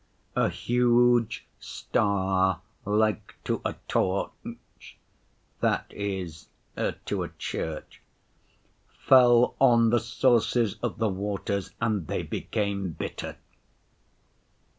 "A huge star like to a torch" (that is, to a church) "fell on the sources of the waters and they became bitter."